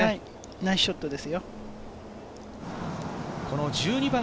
ナイスショットでした。